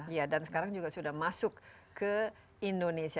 iya dan sekarang juga sudah masuk ke indonesia